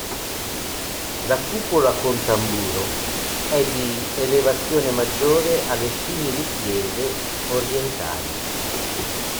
La cupola con tamburo è di elevazione maggiore alle simili chiese orientali.